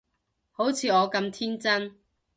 好似我咁天真